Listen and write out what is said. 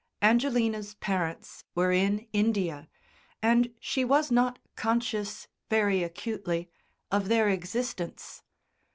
Angelina's parents were in India, and she was not conscious, very acutely, of their existence.